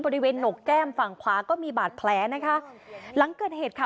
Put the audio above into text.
หนกแก้มฝั่งขวาก็มีบาดแผลนะคะหลังเกิดเหตุค่ะ